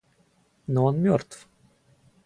Но он мертв.